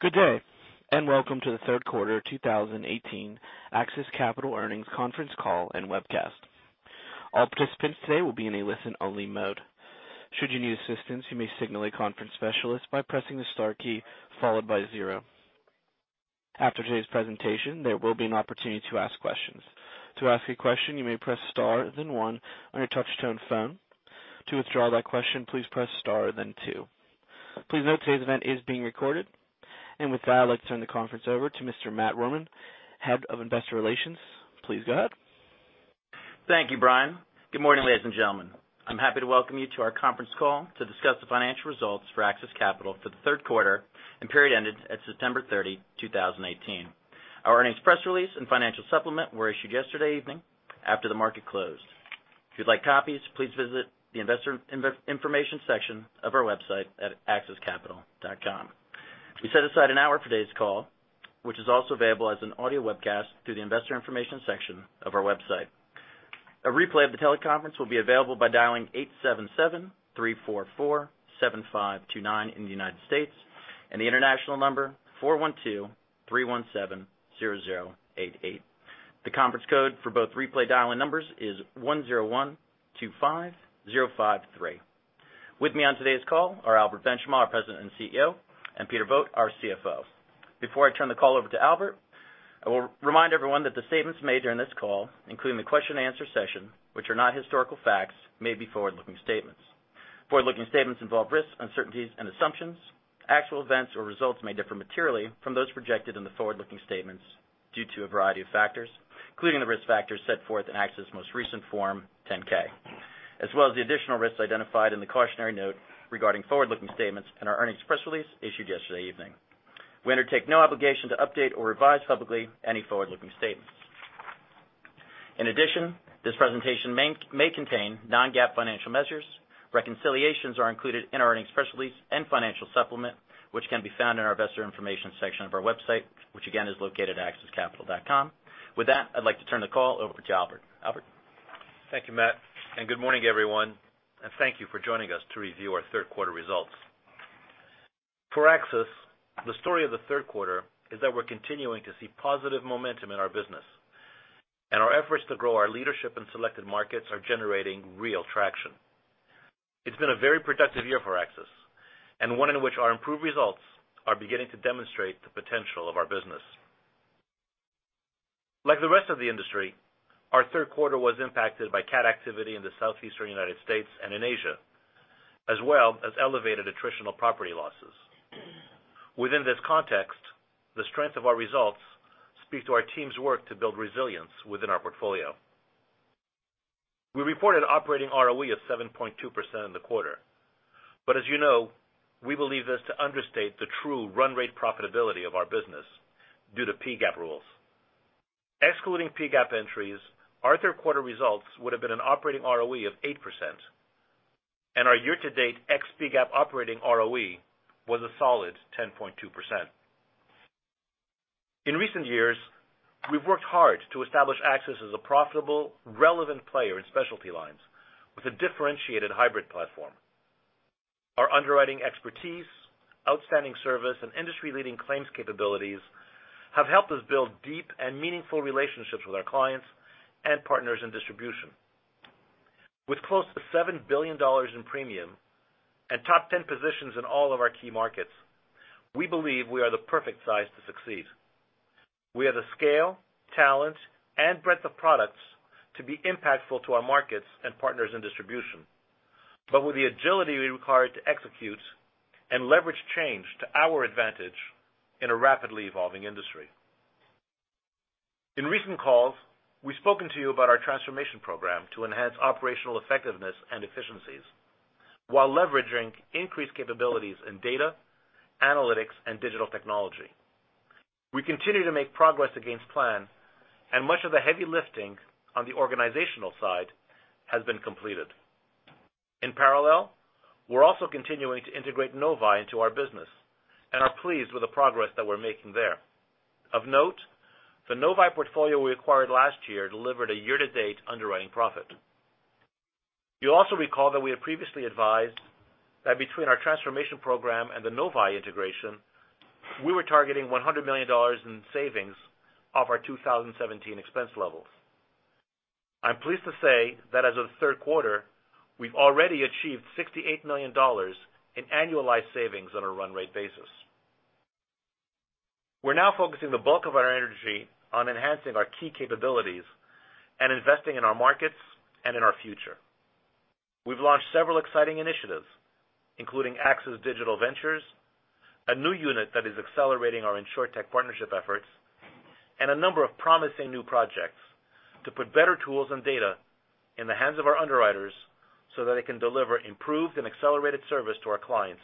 Good day. Welcome to the third quarter 2018 AXIS Capital earnings conference call and webcast. All participants today will be in a listen-only mode. Should you need assistance, you may signal a conference specialist by pressing the star key followed by zero. After today's presentation, there will be an opportunity to ask questions. To ask a question, you may press star then one on your touch-tone phone. To withdraw that question, please press star then two. Please note today's event is being recorded. With that, I'd like to turn the conference over to Mr. Matt Rohrmann, Head of Investor Relations. Please go ahead. Thank you, Brian. Good morning, ladies and gentlemen. I'm happy to welcome you to our conference call to discuss the financial results for AXIS Capital for the third quarter and period ended September 30, 2018. Our earnings press release and financial supplement were issued yesterday evening after the market closed. If you'd like copies, please visit the investor information section of our website at axiscapital.com. We set aside an hour for today's call, which is also available as an audio webcast through the investor information section of our website. A replay of the teleconference will be available by dialing 877-344-7529 in the United States, and the international number 412-317-0088. The conference code for both replay dial-in numbers is 10125053. With me on today's call are Albert Benchimol, our President and CEO, and Pete Vogt, our CFO. Before I turn the call over to Albert, I will remind everyone that the statements made during this call, including the question and answer session, which are not historical facts, may be forward-looking statements. Forward-looking statements involve risks, uncertainties, and assumptions. Actual events or results may differ materially from those projected in the forward-looking statements due to a variety of factors, including the risk factors set forth in AXIS' most recent Form 10-K, as well as the additional risks identified in the cautionary note regarding forward-looking statements in our earnings press release issued yesterday evening. We undertake no obligation to update or revise publicly any forward-looking statements. In addition, this presentation may contain non-GAAP financial measures. Reconciliations are included in our earnings press release and financial supplement, which can be found in our investor information section of our website, which again is located at axiscapital.com. With that, I'd like to turn the call over to Albert. Albert? Thank you, Matt, and good morning, everyone, and thank you for joining us to review our third quarter results. For AXIS, the story of the third quarter is that we're continuing to see positive momentum in our business, and our efforts to grow our leadership in selected markets are generating real traction. It's been a very productive year for AXIS, and one in which our improved results are beginning to demonstrate the potential of our business. Like the rest of the industry, our third quarter was impacted by cat activity in the Southeastern U.S. and in Asia, as well as elevated attritional property losses. Within this context, the strength of our results speak to our team's work to build resilience within our portfolio. We reported operating ROE of 7.2% in the quarter. As you know, we believe this to understate the true run rate profitability of our business due to PGAAP rules. Excluding PGAAP entries, our third quarter results would have been an operating ROE of 8%, and our year-to-date ex-PGAAP operating ROE was a solid 10.2%. In recent years, we've worked hard to establish AXIS as a profitable, relevant player in specialty lines with a differentiated hybrid platform. Our underwriting expertise, outstanding service, and industry-leading claims capabilities have helped us build deep and meaningful relationships with our clients and partners in distribution. With close to $7 billion in premium and top 10 positions in all of our key markets, we believe we are the perfect size to succeed. We have the scale, talent, and breadth of products to be impactful to our markets and partners in distribution, but with the agility required to execute and leverage change to our advantage in a rapidly evolving industry. In recent calls, we've spoken to you about our transformation program to enhance operational effectiveness and efficiencies while leveraging increased capabilities in data, analytics, and digital technology. We continue to make progress against plan and much of the heavy lifting on the organizational side has been completed. In parallel, we're also continuing to integrate Novae into our business and are pleased with the progress that we're making there. Of note, the Novae portfolio we acquired last year delivered a year-to-date underwriting profit. You'll also recall that we had previously advised that between our transformation program and the Novae integration, we were targeting $100 million in savings off our 2017 expense levels. I'm pleased to say that as of the third quarter, we've already achieved $68 million in annualized savings on a run rate basis. We're now focusing the bulk of our energy on enhancing our key capabilities and investing in our markets and in our future. We've launched several exciting initiatives, including AXIS Digital Ventures, a new unit that is accelerating our Insurtech partnership efforts, and a number of promising new projects to put better tools and data in the hands of our underwriters so that they can deliver improved and accelerated service to our clients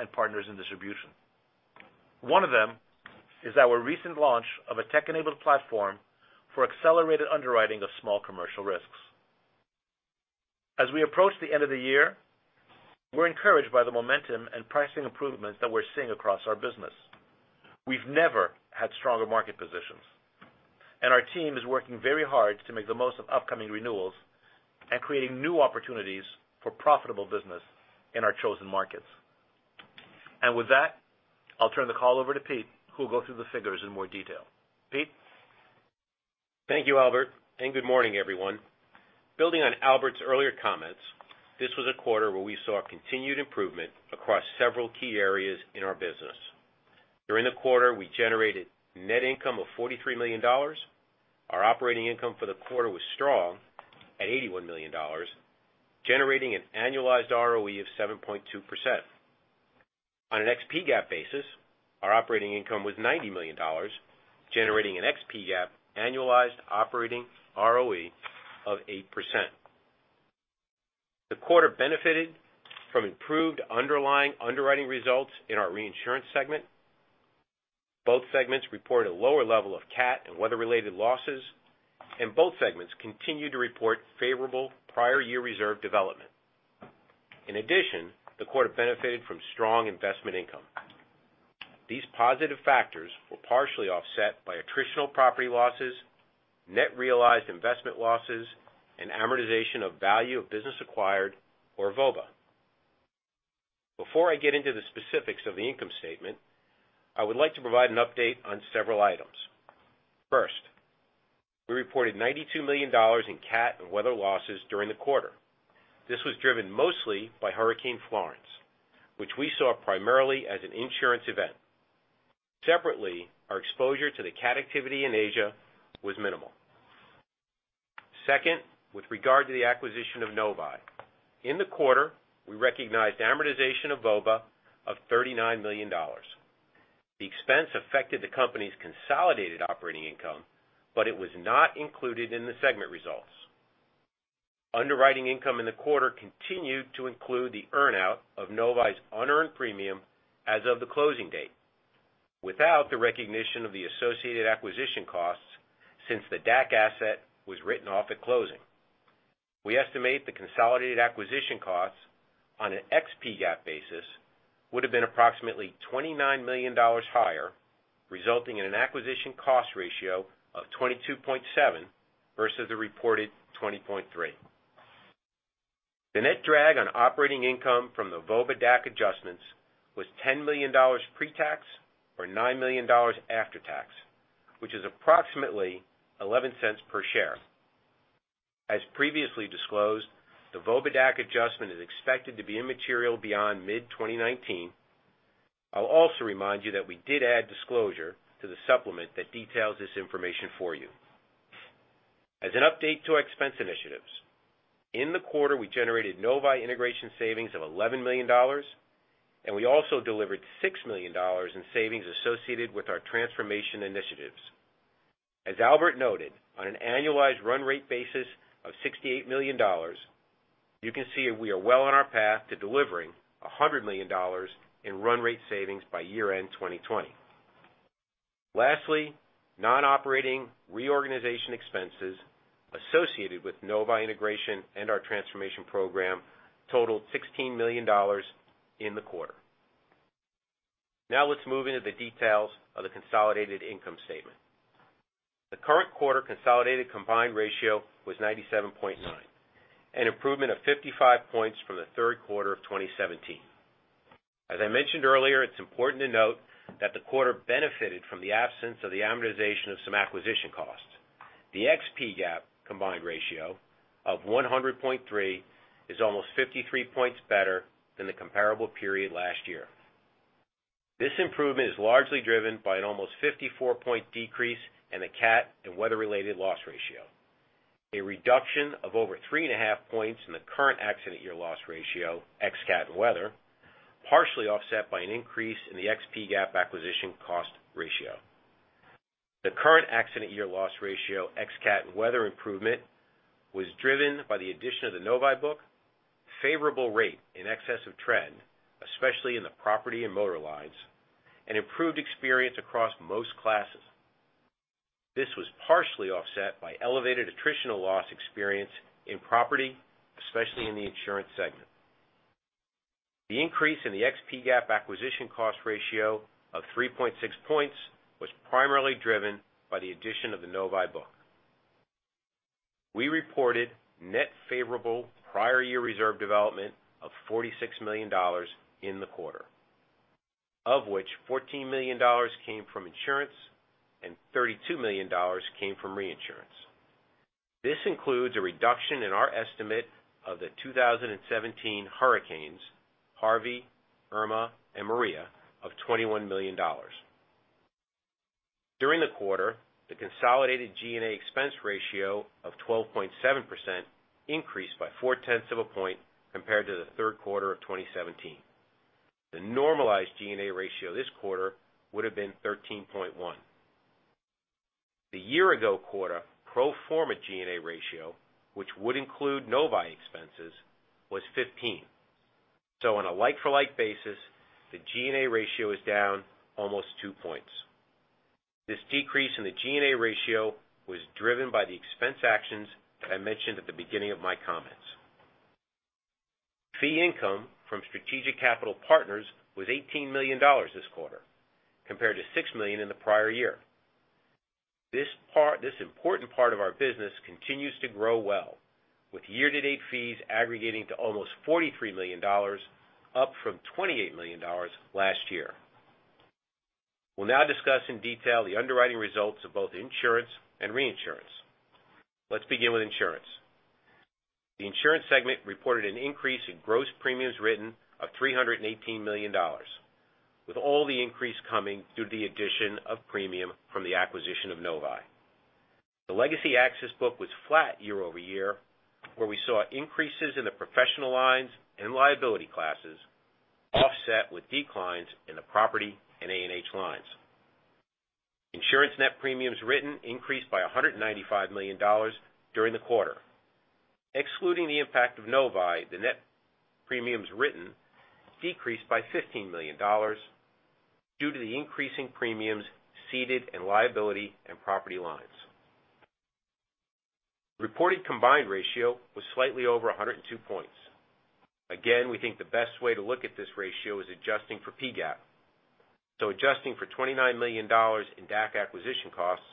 and partners in distribution. One of them is our recent launch of a tech-enabled platform for accelerated underwriting of small commercial risks. As we approach the end of the year, we're encouraged by the momentum and pricing improvements that we're seeing across our business. We've never had stronger market positions. Our team is working very hard to make the most of upcoming renewals and creating new opportunities for profitable business in our chosen markets. With that, I'll turn the call over to Pete, who'll go through the figures in more detail. Pete? Thank you, Albert, and good morning, everyone. Building on Albert's earlier comments, this was a quarter where we saw continued improvement across several key areas in our business. During the quarter, we generated net income of $43 million. Our operating income for the quarter was strong at $81 million, generating an annualized ROE of 7.2%. On an ex PGAAP basis, our operating income was $90 million, generating an ex PGAAP annualized operating ROE of 8%. The quarter benefited from improved underlying underwriting results in our reinsurance segment. Both segments reported a lower level of cat and weather-related losses, and both segments continued to report favorable prior year reserve development. In addition, the quarter benefited from strong investment income. These positive factors were partially offset by attritional property losses, net realized investment losses and amortization of value of business acquired or VOBA. Before I get into the specifics of the income statement, I would like to provide an update on several items. First, we reported $92 million in cat and weather losses during the quarter. This was driven mostly by Hurricane Florence, which we saw primarily as an insurance event. Separately, our exposure to the cat activity in Asia was minimal. Second, with regard to the acquisition of Novae. In the quarter, we recognized amortization of VOBA of $39 million. The expense affected the company's consolidated operating income, but it was not included in the segment results. Underwriting income in the quarter continued to include the earn-out of Novae's unearned premium as of the closing date, without the recognition of the associated acquisition costs since the DAC asset was written off at closing. We estimate the consolidated acquisition costs on an ex PGAAP basis would have been approximately $29 million higher, resulting in an acquisition cost ratio of 22.7 versus the reported 20.3. The net drag on operating income from the VOBA DAC adjustments was $10 million pre-tax or $9 million after tax, which is approximately $0.11 per share. As previously disclosed, the VOBA DAC adjustment is expected to be immaterial beyond mid-2019. I'll also remind you that we did add disclosure to the supplement that details this information for you. As an update to our expense initiatives. In the quarter, we generated Novae integration savings of $11 million. We also delivered $6 million in savings associated with our transformation initiatives. As Albert noted, on an annualized run rate basis of $68 million, you can see we are well on our path to delivering $100 million in run rate savings by year-end 2020. Lastly, non-operating reorganization expenses associated with Novae integration and our transformation program totaled $16 million in the quarter. Let's move into the details of the consolidated income statement. The current quarter consolidated combined ratio was 97.9, an improvement of 55 points from the third quarter of 2017. As I mentioned earlier, it's important to note that the quarter benefited from the absence of the amortization of some acquisition costs. The ex PGAAP combined ratio of 100.3 is almost 53 points better than the comparable period last year. This improvement is largely driven by an almost 54 point decrease in the cat and weather-related loss ratio. A reduction of over three and a half points in the current accident year loss ratio, ex cat and weather, partially offset by an increase in the ex PGAAP acquisition cost ratio. The current accident year loss ratio, ex cat and weather improvement, was driven by the addition of the Novae book, favorable rate in excess of trend, especially in the property and motor lines, and improved experience across most classes. This was partially offset by elevated attritional loss experience in property, especially in the insurance segment. The increase in the ex PGAAP acquisition cost ratio of 3.6 points was primarily driven by the addition of the Novae book. We reported net favorable prior year reserve development of $46 million in the quarter, of which $14 million came from insurance and $32 million came from reinsurance. This includes a reduction in our estimate of the 2017 hurricanes, Harvey, Irma, and Maria, of $21 million. During the quarter, the consolidated G&A expense ratio of 12.7% increased by four-tenths of a point compared to the third quarter of 2017. The normalized G&A ratio this quarter would have been 13.1. The year-ago quarter pro forma G&A ratio, which would include Novae expenses, was 15. On a like-for-like basis, the G&A ratio is down almost two points. This decrease in the G&A ratio was driven by the expense actions that I mentioned at the beginning of my comments. Fee income from strategic capital partners was $18 million this quarter, compared to $6 million in the prior year. This important part of our business continues to grow well, with year-to-date fees aggregating to almost $43 million, up from $28 million last year. We'll now discuss in detail the underwriting results of both insurance and reinsurance. Let's begin with insurance. The insurance segment reported an increase in gross premiums written of $318 million, with all the increase coming through the addition of premium from the acquisition of Novae. The legacy AXIS book was flat year-over-year, where we saw increases in the professional lines and liability classes offset with declines in the property and A&H lines. Insurance net premiums written increased by $195 million during the quarter. Excluding the impact of Novae, the net premiums written decreased by $15 million due to the increasing premiums ceded in liability and property lines. Reported combined ratio was slightly over 102 points. We think the best way to look at this ratio is adjusting for PGAAP. Adjusting for $29 million in DAC acquisition costs,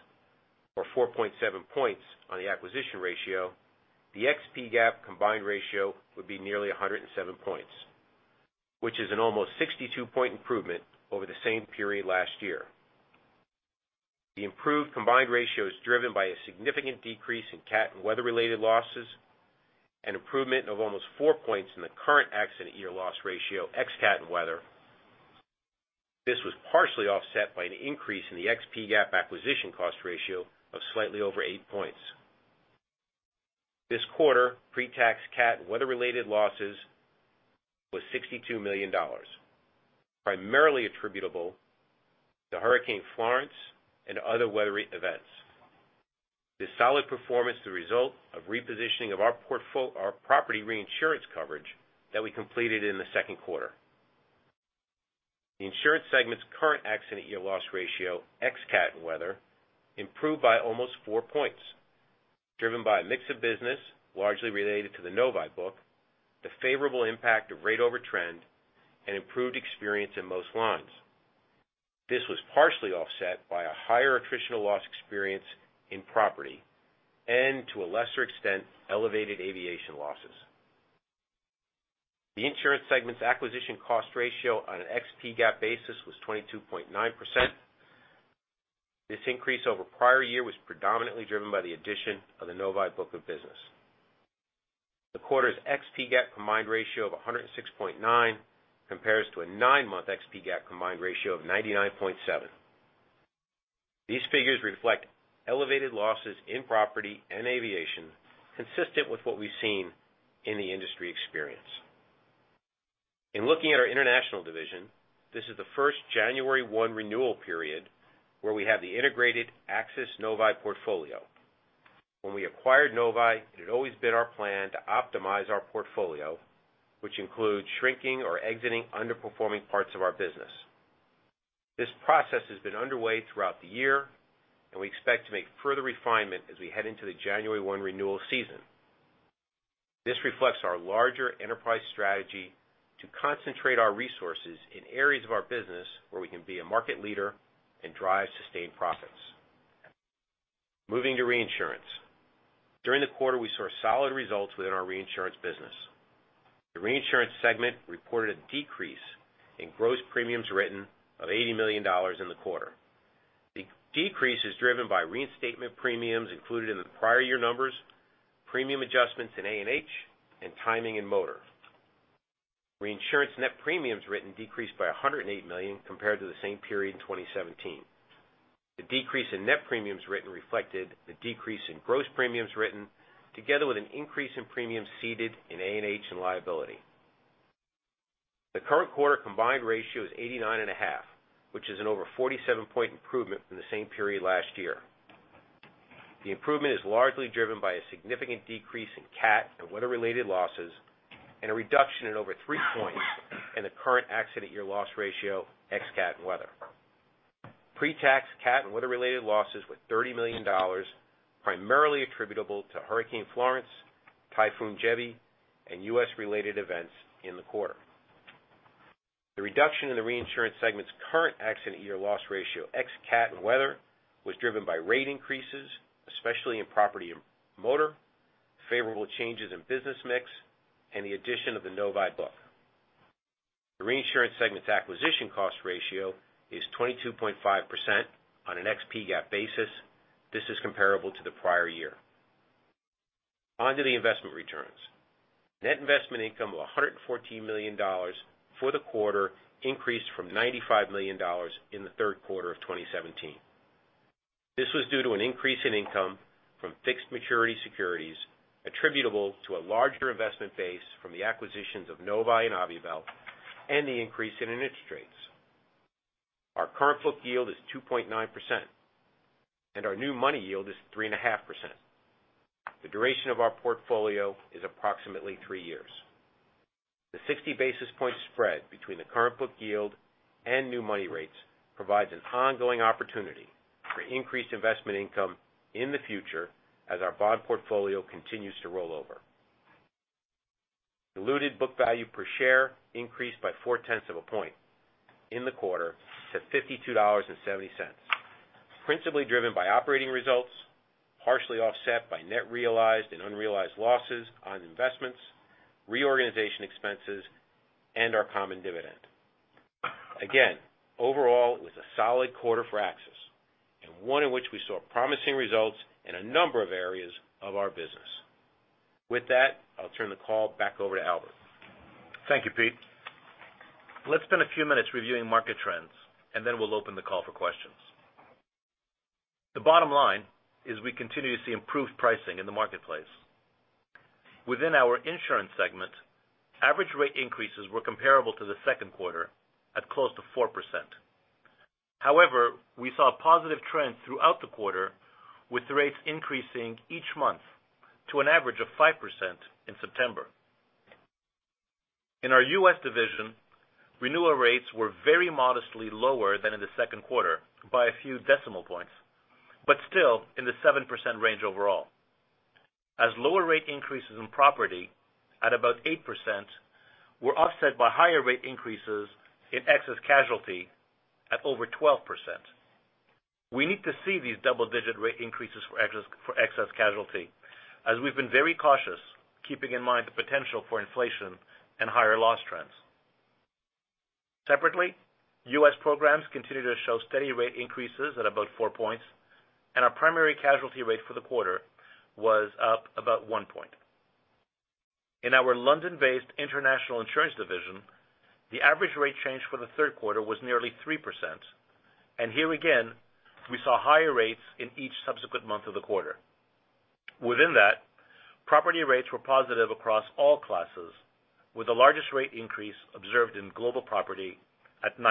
or 4.7 points on the acquisition ratio, the ex-PGAAP combined ratio would be nearly 107 points, which is an almost 62-point improvement over the same period last year. The improved combined ratio is driven by a significant decrease in cat and weather-related losses, an improvement of almost four points in the current accident year loss ratio, ex cat and weather. This was partially offset by an increase in the ex-PGAAP acquisition cost ratio of slightly over eight points. This quarter, pre-tax cat and weather-related losses was $62 million, primarily attributable to Hurricane Florence and other weather events. This solid performance is the result of repositioning of our property reinsurance coverage that we completed in the second quarter. The insurance segment's current accident year loss ratio, ex cat and weather, improved by almost four points, driven by a mix of business largely related to the Novae book, the favorable impact of rate over trend, and improved experience in most lines. This was partially offset by a higher attritional loss experience in property, and to a lesser extent, elevated aviation losses. The insurance segment's acquisition cost ratio on an ex-PGAAP basis was 22.9%. This increase over prior year was predominantly driven by the addition of the Novae book of business. The quarter's ex-PGAAP combined ratio of 106.9 compares to a nine-month ex-PGAAP combined ratio of 99.7. These figures reflect elevated losses in property and aviation consistent with what we've seen in the industry experience. In looking at our international division, this is the first January one renewal period where we have the integrated AXIS Novae portfolio. When we acquired Novae, it had always been our plan to optimize our portfolio, which includes shrinking or exiting underperforming parts of our business. This process has been underway throughout the year, and we expect to make further refinement as we head into the January one renewal season. This reflects our larger enterprise strategy to concentrate our resources in areas of our business where we can be a market leader and drive sustained profits. Moving to reinsurance. During the quarter, we saw solid results within our reinsurance business. The reinsurance segment reported a decrease in gross premiums written of $80 million in the quarter. The decrease is driven by reinstatement premiums included in the prior year numbers, premium adjustments in A&H, and timing in motor. Reinsurance net premiums written decreased by $108 million compared to the same period in 2017. The decrease in net premiums written reflected the decrease in gross premiums written, together with an increase in premiums ceded in A&H and liability. The current quarter combined ratio is 89.5, which is an over 47-point improvement from the same period last year. The improvement is largely driven by a significant decrease in cat and weather-related losses, and a reduction in over three points in the current accident year loss ratio, ex cat and weather. Pre-tax cat and weather-related losses were $30 million, primarily attributable to Hurricane Florence, Typhoon Jebi, and U.S.-related events in the quarter. The reduction in the reinsurance segment's current accident year loss ratio, ex cat and weather, was driven by rate increases, especially in property and motor, favorable changes in business mix, and the addition of the Novae book. The reinsurance segment's acquisition cost ratio is 22.5% on an ex-PGAAP basis. This is comparable to the prior year. On to the investment returns. Net investment income of $114 million for the quarter increased from $95 million in the third quarter of 2017. This was due to an increase in income from fixed maturity securities attributable to a larger investment base from the acquisitions of Novae and Aviabel and the increase in interest rates. Our current book yield is 2.9%, and our new money yield is 3.5%. The duration of our portfolio is approximately three years. The 60 basis point spread between the current book yield and new money rates provides an ongoing opportunity for increased investment income in the future as our bond portfolio continues to roll over. Diluted book value per share increased by four tenths of a point in the quarter to $52.70, principally driven by operating results, partially offset by net realized and unrealized losses on investments, reorganization expenses, and our common dividend. Overall, it was a solid quarter for AXIS, and one in which we saw promising results in a number of areas of our business. With that, I'll turn the call back over to Albert. Thank you, Pete. Let's spend a few minutes reviewing market trends, and then we'll open the call for questions. The bottom line is we continue to see improved pricing in the marketplace. Within our insurance segment, average rate increases were comparable to the second quarter at close to 4%. However, we saw positive trends throughout the quarter, with the rates increasing each month to an average of 5% in September. In our U.S. division, renewal rates were very modestly lower than in the second quarter by a few decimal points, but still in the 7% range overall. Lower rate increases in property at about 8% were offset by higher rate increases in excess casualty at over 12%. We need to see these double-digit rate increases for excess casualty, as we've been very cautious, keeping in mind the potential for inflation and higher loss trends. Separately, U.S. programs continue to show steady rate increases at about four points, and our primary casualty rate for the quarter was up about one point. In our London-based international insurance division, the average rate change for the third quarter was nearly 3%, and here again, we saw higher rates in each subsequent month of the quarter. Within that, property rates were positive across all classes, with the largest rate increase observed in global property at 9%.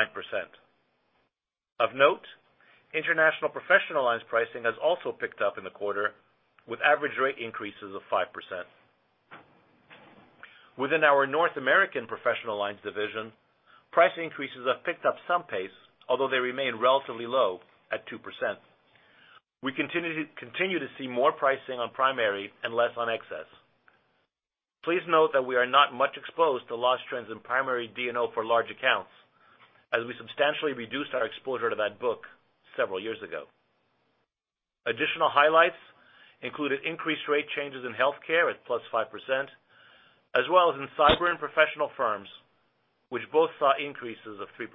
Of note, international professional lines pricing has also picked up in the quarter with average rate increases of 5%. Within our North American professional lines division, price increases have picked up some pace, although they remain relatively low at 2%. We continue to see more pricing on primary and less on excess. Please note that we are not much exposed to loss trends in primary D&O for large accounts, as we substantially reduced our exposure to that book several years ago. Additional highlights included increased rate changes in healthcare at +5%, as well as in cyber and professional firms, which both saw increases of 3%.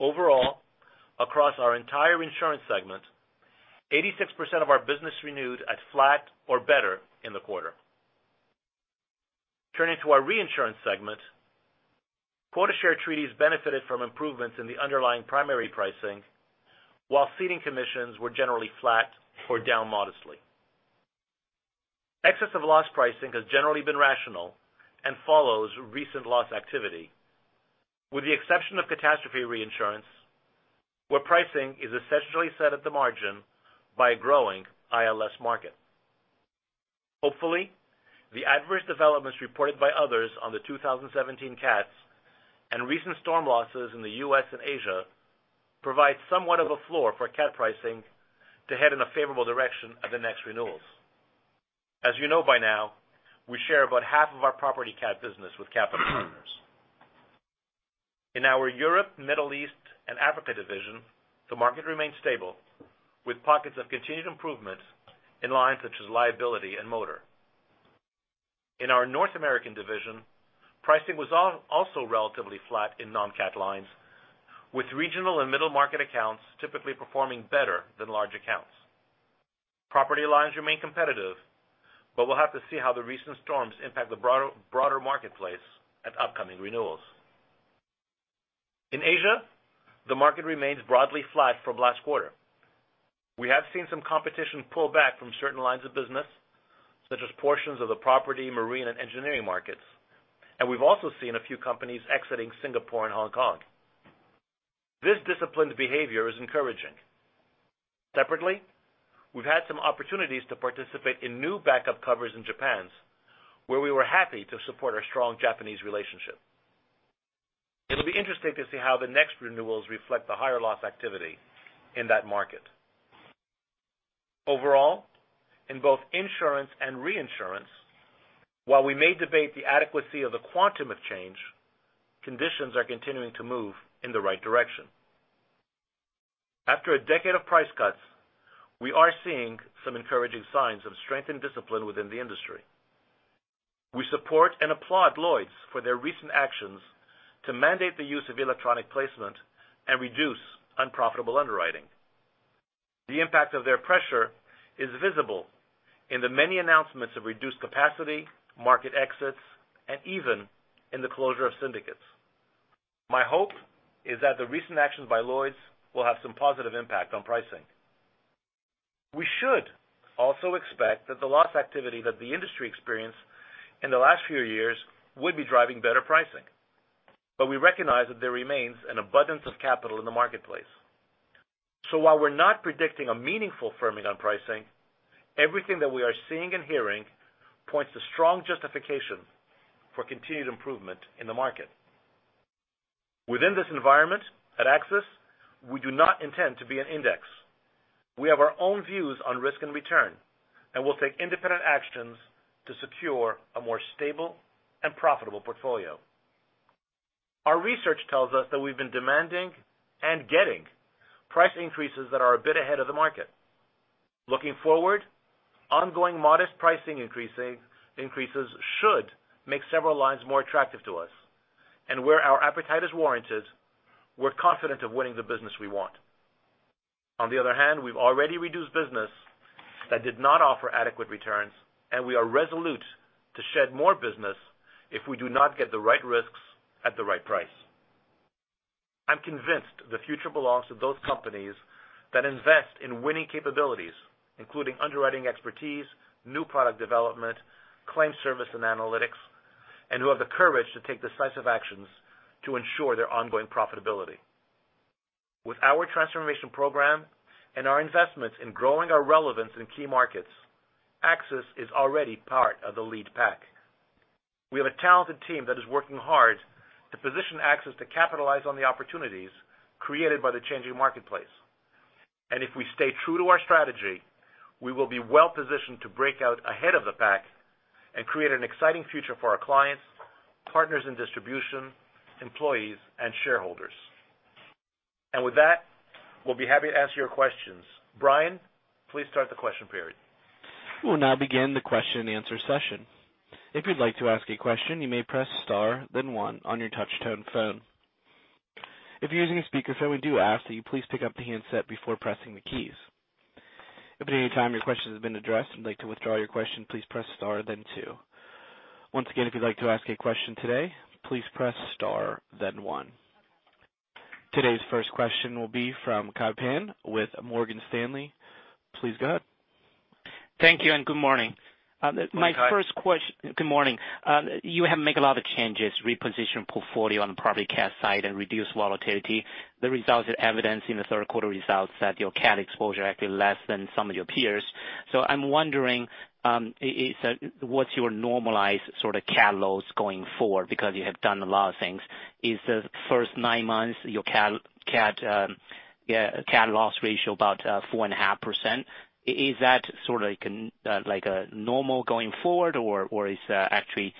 Overall, across our entire insurance segment, 86% of our business renewed at flat or better in the quarter. Turning to our reinsurance segment, quota share treaties benefited from improvements in the underlying primary pricing, while ceding commissions were generally flat or down modestly. Excess of loss pricing has generally been rational and follows recent loss activity, with the exception of catastrophe reinsurance, where pricing is essentially set at the margin by a growing ILS market. Hopefully, the adverse developments reported by others on the 2017 CATs and recent storm losses in the U.S. and Asia provide somewhat of a floor for CAT pricing to head in a favorable direction at the next renewals. As you know by now, we share about half of our property CAT business with capital partners. In our Europe, Middle East, and Africa division, the market remains stable, with pockets of continued improvement in lines such as liability and motor. In our North American division, pricing was also relatively flat in non-CAT lines, with regional and middle-market accounts typically performing better than large accounts. Property lines remain competitive, but we'll have to see how the recent storms impact the broader marketplace at upcoming renewals. In Asia, the market remains broadly flat from last quarter. We have seen some competition pull back from certain lines of business, such as portions of the property, marine, and engineering markets, and we've also seen a few companies exiting Singapore and Hong Kong. This disciplined behavior is encouraging. Separately, we've had some opportunities to participate in new backup covers in Japan, where we were happy to support our strong Japanese relationship. It'll be interesting to see how the next renewals reflect the higher loss activity in that market. Overall, in both insurance and reinsurance, while we may debate the adequacy of the quantum of change, conditions are continuing to move in the right direction. After a decade of price cuts, we are seeing some encouraging signs of strength and discipline within the industry. We support and applaud Lloyd's for their recent actions to mandate the use of electronic placement and reduce unprofitable underwriting. The impact of their pressure is visible in the many announcements of reduced capacity, market exits, and even in the closure of syndicates. My hope is that the recent actions by Lloyd's will have some positive impact on pricing. We should also expect that the loss activity that the industry experienced in the last few years would be driving better pricing. We recognize that there remains an abundance of capital in the marketplace. While we're not predicting a meaningful firming on pricing, everything that we are seeing and hearing points to strong justification for continued improvement in the market. Within this environment, at AXIS, we do not intend to be an index. We have our own views on risk and return, and we'll take independent actions to secure a more stable and profitable portfolio. Our research tells us that we've been demanding and getting price increases that are a bit ahead of the market. Looking forward, ongoing modest pricing increases should make several lines more attractive to us. Where our appetite is warranted, we're confident of winning the business we want. On the other hand, we've already reduced business that did not offer adequate returns, we are resolute to shed more business if we do not get the right risks at the right price. I'm convinced the future belongs to those companies that invest in winning capabilities, including underwriting expertise, new product development, claim service and analytics, and who have the courage to take decisive actions to ensure their ongoing profitability. With our transformation program and our investments in growing our relevance in key markets, AXIS is already part of the lead pack. We have a talented team that is working hard to position AXIS to capitalize on the opportunities created by the changing marketplace. If we stay true to our strategy, we will be well positioned to break out ahead of the pack and create an exciting future for our clients, partners in distribution, employees, and shareholders. With that, we'll be happy to answer your questions. Brian, please start the question period. We'll now begin the question and answer session. If you'd like to ask a question, you may press star then one on your touch-tone phone. If you're using a speakerphone, we do ask that you please pick up the handset before pressing the keys. If at any time your question has been addressed and you'd like to withdraw your question, please press star then two. Once again, if you'd like to ask a question today, please press star then one. Today's first question will be from Kai Pan with Morgan Stanley. Please go ahead. Thank you and good morning. Hi, Kai. Good morning. You have make a lot of changes, reposition portfolio on the property cat side and reduce volatility. The results are evidenced in the third quarter results that your cat exposure actually less than some of your peers. I'm wondering, what's your normalized cat loss going forward? Because you have done a lot of things. Is the first nine months your cat loss ratio about 4.5%? Is that sort of like a normal going forward, or is that actually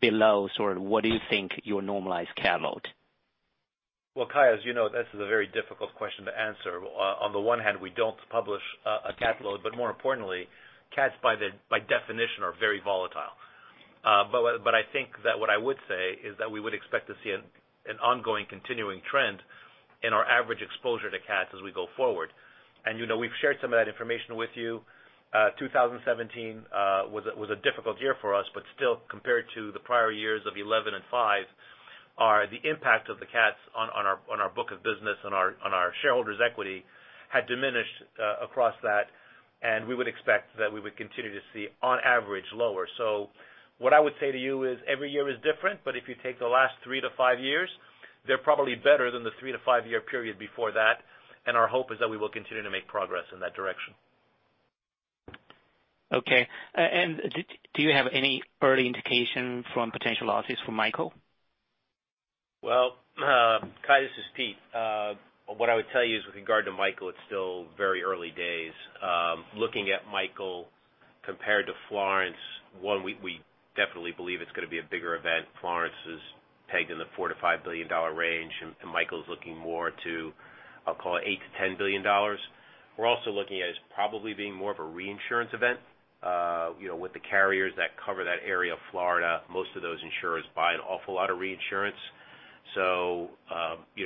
below sort of what do you think your normalized cat load? Well, Kai, as you know, that's a very difficult question to answer. On the one hand, we don't publish a cat load, more importantly, cats by definition are very volatile. I think that what I would say is that we would expect to see an ongoing continuing trend in our average exposure to cats as we go forward. We've shared some of that information with you. 2017 was a difficult year for us, but still, compared to the prior years of 2011 and 2005, are the impact of the cats on our book of business, on our shareholder's equity had diminished across that, and we would expect that we would continue to see on average, lower. What I would say to you is every year is different, but if you take the last three to five years, they're probably better than the three to five-year period before that, our hope is that we will continue to make progress in that direction. Okay. Do you have any early indication from potential losses from Michael? Well, Kai, this is Pete. What I would tell you is with regard to Michael, it's still very early days. Looking at Michael compared to Florence, one, we definitely believe it's going to be a bigger event. Florence is pegged in the $4 billion to $5 billion range, and Michael's looking more to, I'll call it $8 billion to $10 billion. We're also looking at it as probably being more of a reinsurance event. With the carriers that cover that area of Florida, most of those insurers buy an awful lot of reinsurance.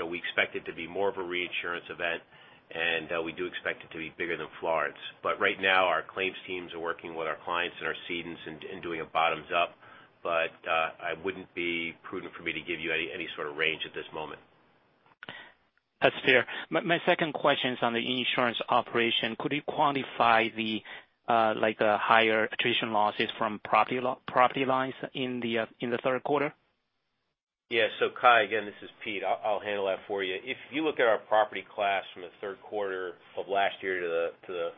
We expect it to be more of a reinsurance event, and we do expect it to be bigger than Florence. Right now, our claims teams are working with our clients and our cedents in doing a bottoms up. It wouldn't be prudent for me to give you any sort of range at this moment. That's fair. My second question is on the insurance operation. Could you quantify the higher attrition losses from property lines in the third quarter? Yeah. Kai, again, this is Pete. I'll handle that for you. If you look at our property class from the third quarter of last year to the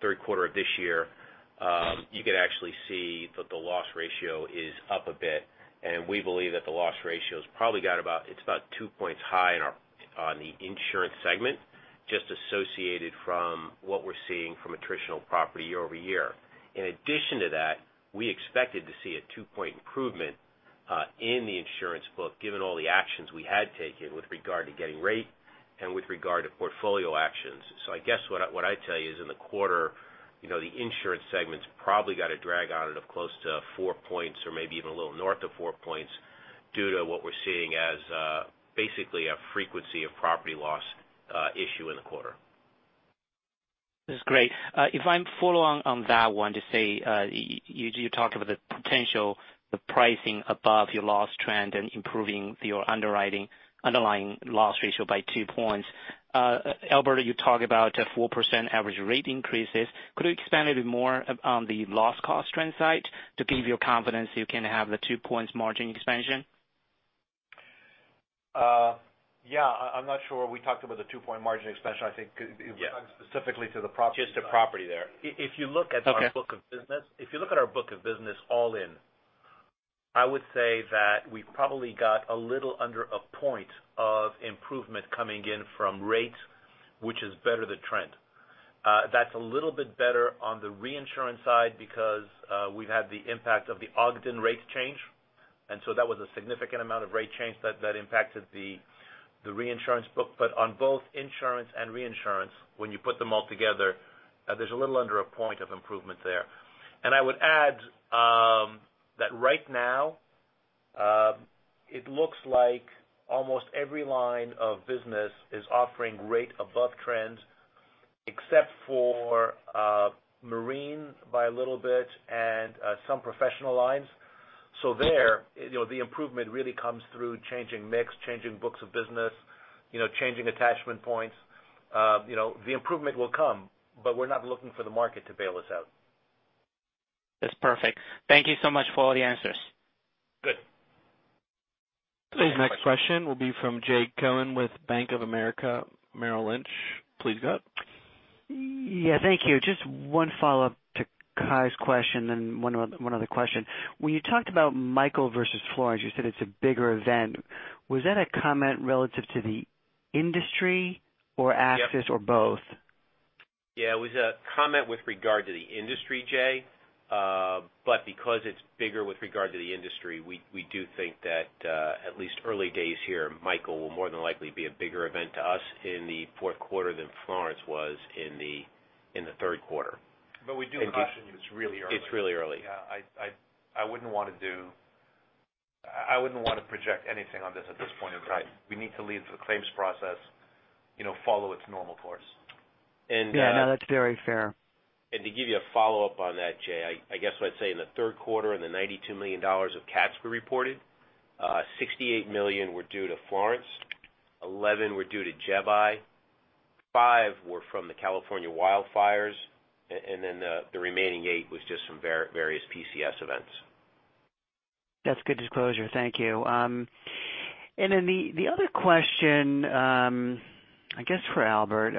third quarter of this year, you could actually see that the loss ratio is up a bit, and we believe that the loss ratio it's about two points high on the insurance segment, just associated from what we're seeing from attritional property year-over-year. In addition to that, we expected to see a two-point improvement, in the insurance book, given all the actions we had taken with regard to getting rate and with regard to portfolio actions. I guess what I'd tell you is in the quarter, the insurance segment's probably got a drag out it of close to four points or maybe even a little north of four points due to what we're seeing as basically a frequency of property loss issue in the quarter. That's great. If I'm follow on that one to say, you talked about the potential, the pricing above your loss trend and improving your underlying loss ratio by two points. Albert, you talked about a 4% average rate increases. Could you expand a bit more on the loss cost trend side to give you confidence you can have the two points margin expansion? Yeah, I'm not sure. We talked about the two-point margin expansion. Yeah specifically to the property- Just the property there. If you look at our Okay book of business all in, I would say that we've probably got a little under a point of improvement coming in from rate, which is better than trend. That's a little bit better on the reinsurance side because we've had the impact of the Ogden rate change, that was a significant amount of rate change that impacted the reinsurance book. On both insurance and reinsurance, when you put them all together, there's a little under a point of improvement there. I would add that right now it looks like almost every line of business is offering rate above trend, except for marine by a little bit and some professional lines. There, the improvement really comes through changing mix, changing books of business, changing attachment points. The improvement will come, but we're not looking for the market to bail us out. That's perfect. Thank you so much for all the answers. Good. Please. Today's next question will be from Jay Cohen with Bank of America Merrill Lynch. Please go ahead. Yeah, thank you. Just one follow-up to Kai's question, then one other question. When you talked about Hurricane Michael versus Hurricane Florence, you said it's a bigger event. Was that a comment relative to the industry or AXIS or both? Yeah. It was a comment with regard to the industry, Jay. Because it's bigger with regard to the industry, we do think that at least early days here, Hurricane Michael will more than likely be a bigger event to us in the fourth quarter than Hurricane Florence was in the third quarter. We do caution you, it's really early. It's really early. Yeah. I wouldn't want to project anything on this at this point in time. Right. We need to leave the claims process follow its normal course. Yeah, no, that's very fair. To give you a follow-up on that, Jay, I guess what I'd say, in the third quarter, the $92 million of cats were reported, $68 million were due to Florence, $11 million were due to Jebi, $5 million were from the California wildfires, the remaining $8 million was just from various PCS events. That's good disclosure. Thank you. The other question, I guess for Albert,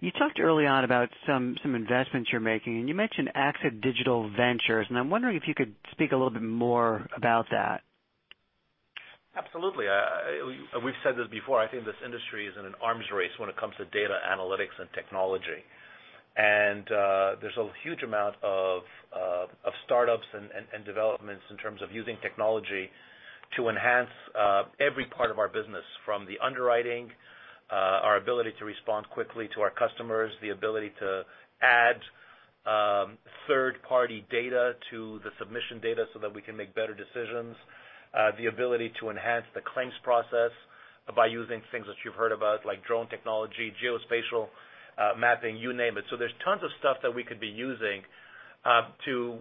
you talked early on about some investments you're making, you mentioned AXIS Digital Ventures, I'm wondering if you could speak a little bit more about that. Absolutely. We've said this before, I think this industry is in an arms race when it comes to data analytics and technology. There's a huge amount of startups and developments in terms of using technology to enhance every part of our business, from the underwriting our ability to respond quickly to our customers, the ability to add third-party data to the submission data so that we can make better decisions, the ability to enhance the claims process by using things that you've heard about, like drone technology, geospatial mapping, you name it. There's tons of stuff that we could be using to,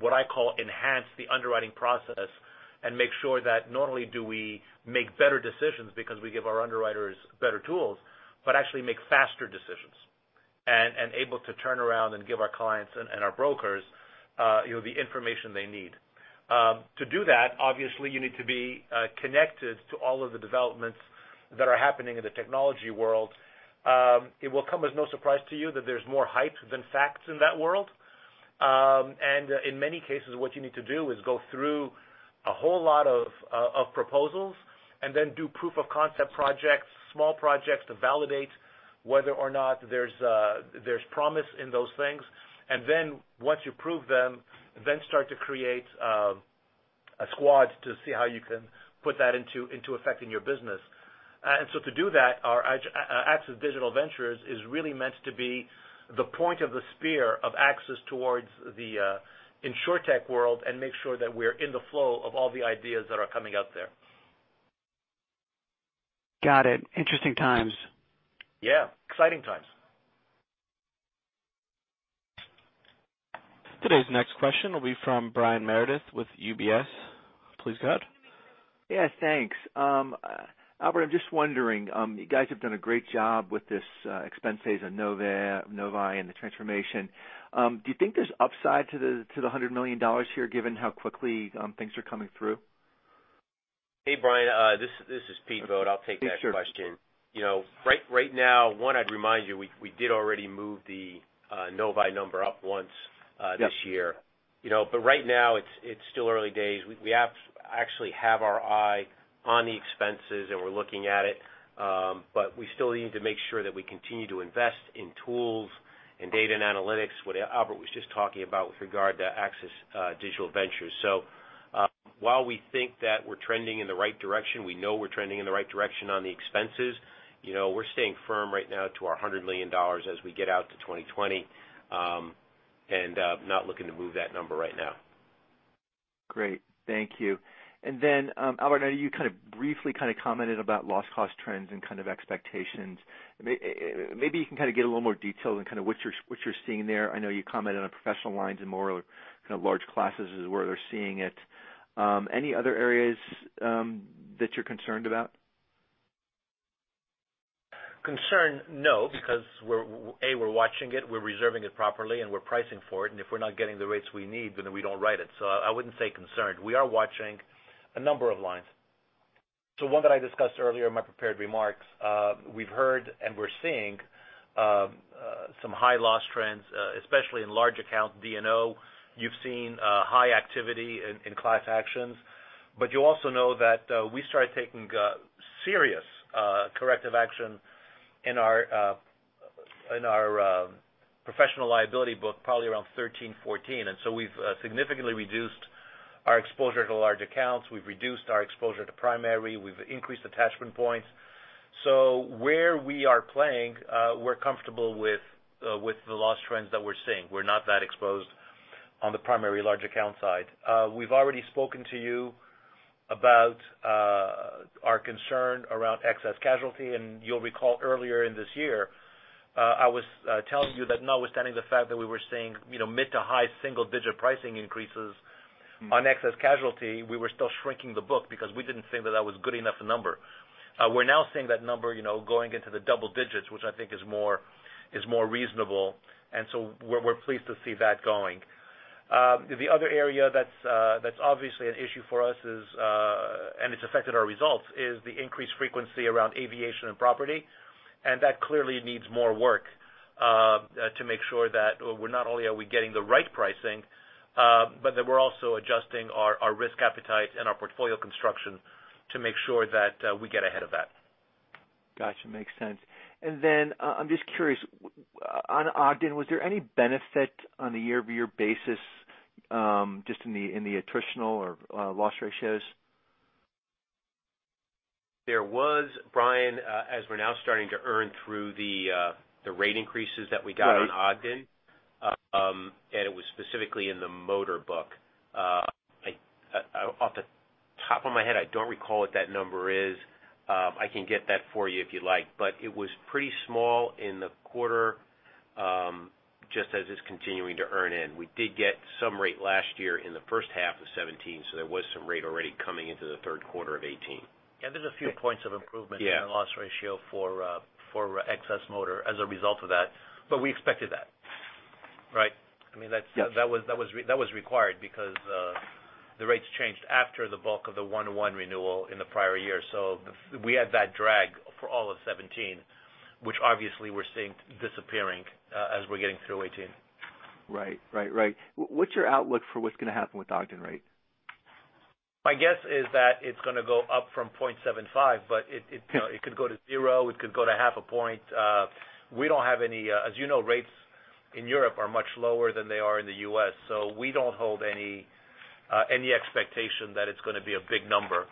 what I call, enhance the underwriting process and make sure that not only do we make better decisions because we give our underwriters better tools, but actually make faster decisions and able to turn around and give our clients and our brokers the information they need. To do that, obviously, you need to be connected to all of the developments that are happening in the technology world. It will come as no surprise to you that there's more hype than facts in that world. In many cases, what you need to do is go through a whole lot of proposals, then do proof of concept projects, small projects to validate whether or not there's promise in those things. Once you prove them, then start to create a squad to see how you can put that into effect in your business. To do that, our AXIS Digital Ventures is really meant to be the point of the spear of AXIS towards the Insurtech world and make sure that we're in the flow of all the ideas that are coming out there. Got it. Interesting times. Yeah. Exciting times. Today's next question will be from Brian Meredith with UBS. Please go ahead. Yeah, thanks. Albert, I'm just wondering you guys have done a great job with this expenses and Novae and the transformation. Do you think there's upside to the $100 million here, given how quickly things are coming through? Hey, Brian, this is Pete Vogt. I'll take that question. Right now, I'd remind you, we did already move the Novae number up once this year. Right now, it's still early days. We actually have our eye on the expenses, and we're looking at it. We still need to make sure that we continue to invest in tools and data and analytics, what Albert was just talking about with regard to AXIS Digital Ventures. While we think that we're trending in the right direction, we know we're trending in the right direction on the expenses, we're staying firm right now to our $100 million as we get out to 2020 and not looking to move that number right now. Great. Thank you. Albert, I know you briefly commented about loss cost trends and expectations. Maybe you can give a little more detail on what you're seeing there. I know you commented on professional lines and more large classes is where they're seeing it. Any other areas that you're concerned about? Concern? No, because, A, we're watching it, we're reserving it properly, and we're pricing for it. If we're not getting the rates we need, we don't write it. I wouldn't say concerned. We are watching a number of lines. One that I discussed earlier in my prepared remarks, we've heard and we're seeing some high loss trends, especially in large account D&O. You've seen high activity in class actions, you also know that we started taking serious corrective action in our professional liability book, probably around 2013, 2014. We've significantly reduced our exposure to large accounts, we've reduced our exposure to primary, we've increased attachment points. Where we are playing, we're comfortable with the loss trends that we're seeing. We're not that exposed on the primary large account side. We've already spoken to you about our concern around excess casualty. You'll recall earlier in this year, I was telling you that notwithstanding the fact that we were seeing mid to high single-digit pricing increases on excess casualty, we were still shrinking the book because we didn't think that that was good enough a number. We're now seeing that number going into the double digits, which I think is more reasonable. We're pleased to see that going. The other area that's obviously an issue for us, it's affected our results, is the increased frequency around aviation and property. That clearly needs more work, to make sure that not only are we getting the right pricing, but that we're also adjusting our risk appetite and our portfolio construction to make sure that we get ahead of that. Got you. Makes sense. I'm just curious, on Ogden, was there any benefit on the year-over-year basis, just in the attritional or loss ratios? There was, Brian, as we're now starting to earn through the rate increases that we got on Ogden. Right It was specifically in the motor book. Off the top of my head, I don't recall what that number is. I can get that for you if you'd like, but it was pretty small in the quarter, just as it's continuing to earn in. We did get some rate last year in the first half of 2017, so there was some rate already coming into the third quarter of 2018. Yeah, there's a few points of improvement. Yeah in the loss ratio for excess motor as a result of that, but we expected that, right? I mean, that was required because the rates changed after the bulk of the one-to-one renewal in the prior year. So we had that drag for all of 2017, which obviously we're seeing disappearing as we're getting through 2018. Right. What's your outlook for what's going to happen with Ogden rate? My guess is that it's going to go up from 0.75, but it could go to zero, it could go to half a point. As you know, rates in Europe are much lower than they are in the U.S., so we don't hold any expectation that it's going to be a big number.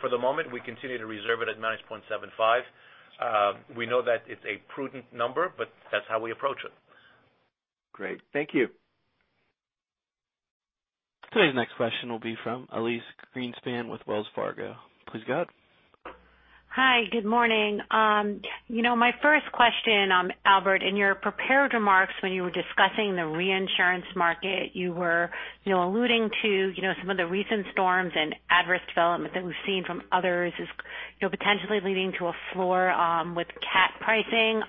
For the moment, we continue to reserve it at 9.75. We know that it's a prudent number, but that's how we approach it. Great. Thank you. Today's next question will be from Elyse Greenspan with Wells Fargo. Please go ahead. Hi. Good morning. My first question, Albert, in your prepared remarks when you were discussing the reinsurance market, you were alluding to some of the recent storms and adverse development that we've seen from others as potentially leading to a floor with cat pricing.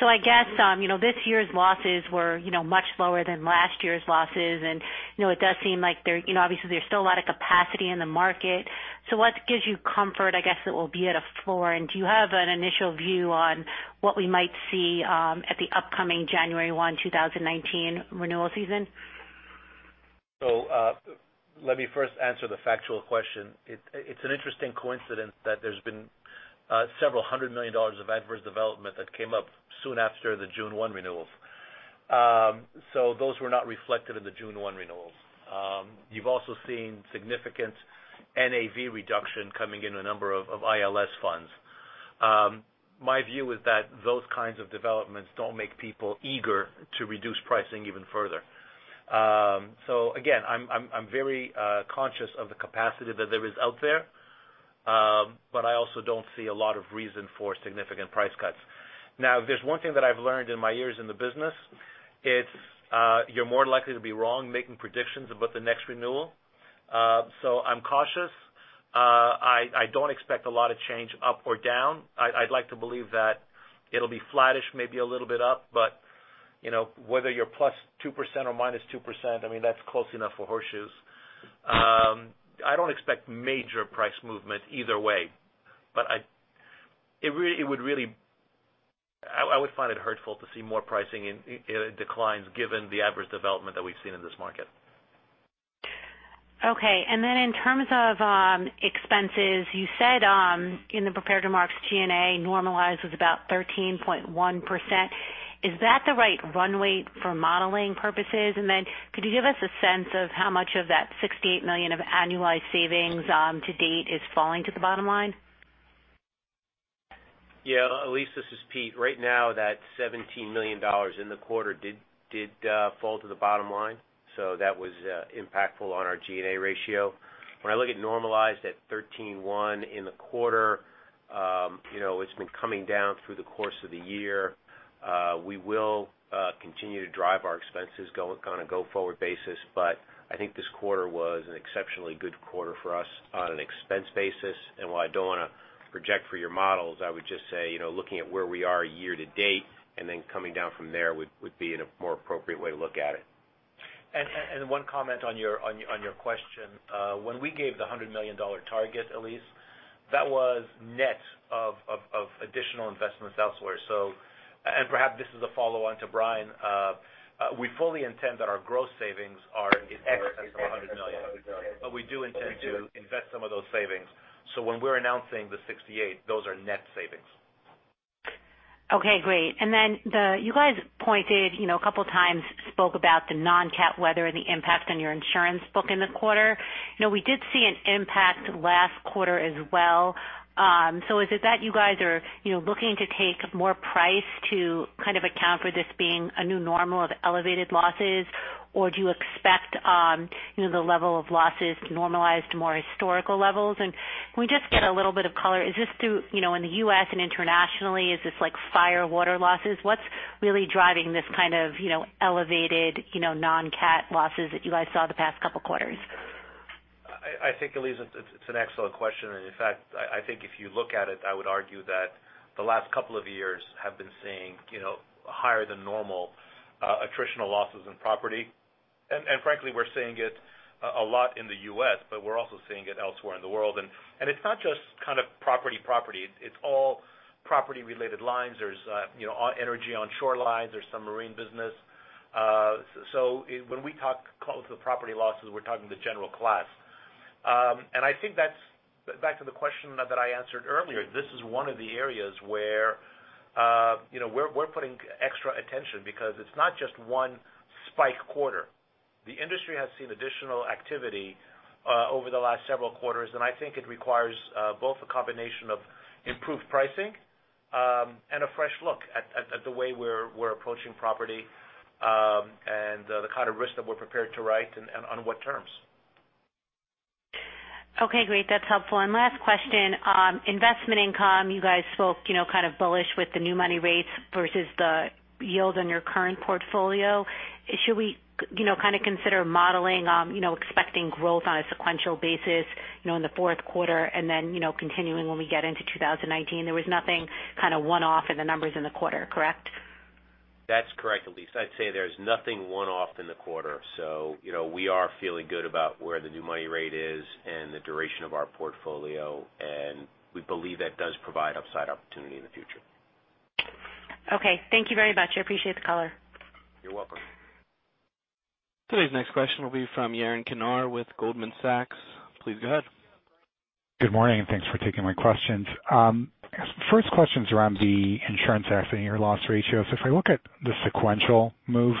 I guess, this year's losses were much lower than last year's losses, and it does seem like, obviously, there's still a lot of capacity in the market. What gives you comfort, I guess, it will be at a floor, and do you have an initial view on what we might see at the upcoming January 1, 2019 renewal season? Let me first answer the factual question. It's an interesting coincidence that there's been $several hundred million of adverse development that came up soon after the June 1 renewals. Those were not reflected in the June 1 renewals. You've also seen significant NAV reduction coming in a number of ILS funds. My view is that those kinds of developments don't make people eager to reduce pricing even further. Again, I'm very conscious of the capacity that there is out there, but I also don't see a lot of reason for significant price cuts. Now, if there's one thing that I've learned in my years in the business, it's you're more likely to be wrong making predictions about the next renewal. I'm cautious. I don't expect a lot of change up or down. I'd like to believe that it'll be flattish, maybe a little bit up, but whether you're +2% or -2%, I mean, that's close enough for horseshoes. I don't expect major price movement either way. I would find it hurtful to see more pricing declines given the adverse development that we've seen in this market. Okay. In terms of expenses, you said in the prepared remarks, G&A normalized was about 13.1%. Is that the right runway for modeling purposes? Could you give us a sense of how much of that $68 million of annualized savings to date is falling to the bottom line? Yeah. Elyse, this is Pete. Right now, that $17 million in the quarter did fall to the bottom line. That was impactful on our G&A ratio. When I look at normalized at 13.1% in the quarter, it's been coming down through the course of the year. We will continue to drive our expenses on a go-forward basis, but I think this quarter was an exceptionally good quarter for us on an expense basis. While I don't want to project for your models, I would just say, looking at where we are year-to-date and then coming down from there would be in a more appropriate way to look at it. One comment on your question. When we gave the $100 million target, Elyse, that was net of additional investments elsewhere. Perhaps this is a follow-on to Brian, we fully intend that our gross savings are in excess of $100 million. We do intend to invest some of those savings. When we're announcing the $68 million, those are net savings. Okay, great. You guys pointed, a couple of times spoke about the non-CAT weather and the impact on your insurance book in the quarter. We did see an impact last quarter as well. Is it that you guys are looking to take more price to kind of account for this being a new normal of elevated losses, or do you expect the level of losses normalized to more historical levels? Can we just get a little bit of color, is this through in the U.S. and internationally, is this like fire, water losses? What's really driving this kind of elevated non-CAT losses that you guys saw the past couple of quarters? I think, Elyse, it's an excellent question. In fact, I think if you look at it, I would argue that the last couple of years have been seeing higher than normal attritional losses in property. Frankly, we're seeing it a lot in the U.S., but we're also seeing it elsewhere in the world. It's not just property. It's all property-related lines. There's energy on shorelines. There's some marine business. When we talk the property losses, we're talking the general class. I think that's back to the question that I answered earlier. This is one of the areas where we're putting extra attention because it's not just one spike quarter. The industry has seen additional activity over the last several quarters, I think it requires both a combination of improved pricing and a fresh look at the way we're approaching property, the kind of risk that we're prepared to write and on what terms. Okay, great. That's helpful. Last question. Investment income, you guys spoke kind of bullish with the new money rates versus the yield on your current portfolio. Should we consider modeling expecting growth on a sequential basis in the fourth quarter and then continuing when we get into 2019? There was nothing one-off in the numbers in the quarter, correct? That's correct, Elyse. I'd say there's nothing one-off in the quarter. We are feeling good about where the new money rate is and the duration of our portfolio, we believe that does provide upside opportunity in the future. Okay. Thank you very much. I appreciate the color. You're welcome. Today's next question will be from Yaron Kinar with Goldman Sachs. Please go ahead. Good morning, thanks for taking my questions. First question's around the insurance accident year loss ratio. If I look at the sequential move,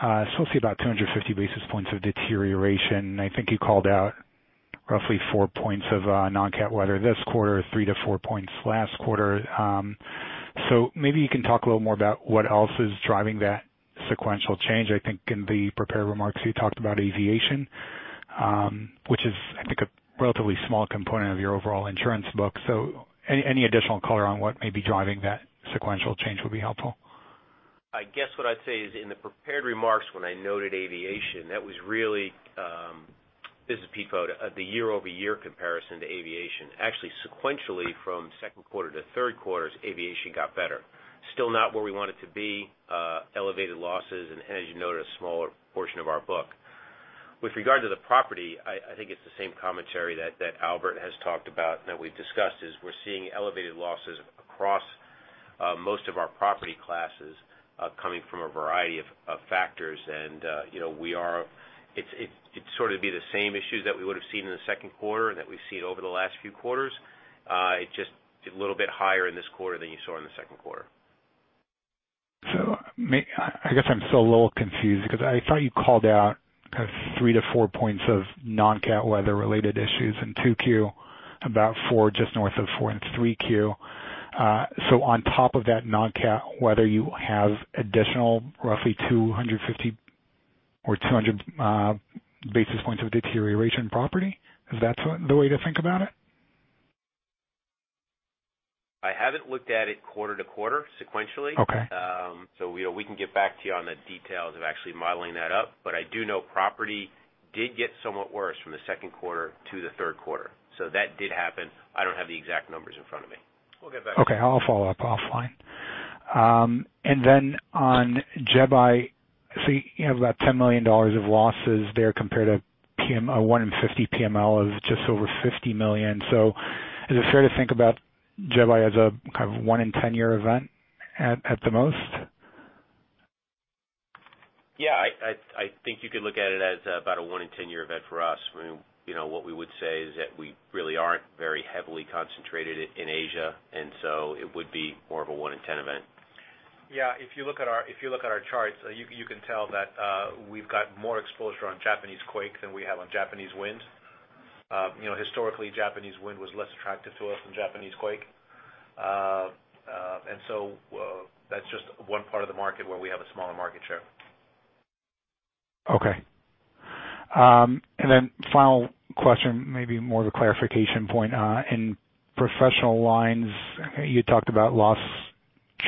I still see about 250 basis points of deterioration. I think you called out roughly four points of non-CAT weather this quarter, three to four points last quarter. Maybe you can talk a little more about what else is driving that sequential change. I think in the prepared remarks, you talked about aviation, which is, I think, a relatively small component of your overall insurance book. Any additional color on what may be driving that sequential change would be helpful. I guess what I'd say is in the prepared remarks when I noted aviation, that was really this is peak out of the year-over-year comparison to aviation. Actually, sequentially from second quarter to third quarters, aviation got better. Still not where we want it to be, elevated losses, and as you noted, a smaller portion of our book. With regard to the property, I think it's the same commentary that Albert has talked about and that we've discussed is we're seeing elevated losses across most of our property classes coming from a variety of factors. It's sort of the same issues that we would've seen in the second quarter that we've seen over the last few quarters. It just did a little bit higher in this quarter than you saw in the second quarter. I guess I'm still a little confused because I thought you called out 3 to 4 points of non-CAT weather-related issues in 2Q, about 4, just north of 4 in 3Q. On top of that non-CAT weather, you have additional roughly 250 or 200 basis points of deterioration property. Is that the way to think about it? I haven't looked at it quarter to quarter sequentially. Okay. We can get back to you on the details of actually modeling that up. I do know property did get somewhat worse from the second quarter to the third quarter. That did happen. I don't have the exact numbers in front of me. We'll get back to you. Okay. I'll follow up offline. On Jebi, I see you have about $10 million of losses there compared to 1 in 50 PML of just over $50 million. Is it fair to think about Jebi as a kind of 1 in 10 year event at the most? Yeah, I think you could look at it as about a 1 in 10 year event for us. What we would say is that we really aren't very heavily concentrated in Asia, and so it would be more of a 1 in 10 event. Yeah, if you look at our charts, you can tell that we've got more exposure on Japanese quake than we have on Japanese wind. Historically, Japanese wind was less attractive to us than Japanese quake. That's just one part of the market where we have a smaller market share. Okay. Final question, maybe more of a clarification point. In professional lines, you talked about loss